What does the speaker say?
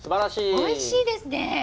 おいしいですね！